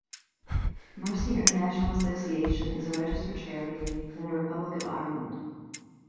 Mercy International Association is a registered charity in the Republic of Ireland.